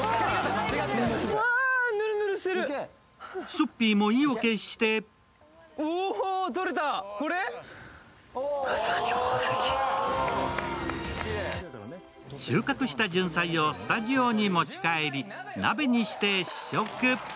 しょっぴーもを意を決して収穫したじゅんさいをスタジオに持ち帰り鍋にして試食。